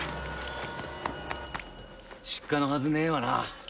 失火のはずねえわな。